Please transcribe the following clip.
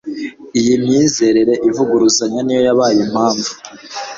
iyi myizerere ivuguruzanya ni yo yabaye impamvu